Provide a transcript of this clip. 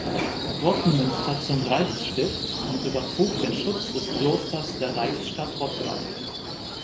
Rottenmünster zum Reichsstift und übertrug den Schutz des Klosters der Reichsstadt Rottweil.